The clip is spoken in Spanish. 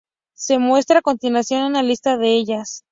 Se muestra a continuación una lista de ellas